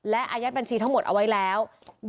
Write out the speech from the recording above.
และอายัดบัญชีทั้งหมดเอาไว้แล้ว